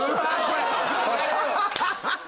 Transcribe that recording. これ！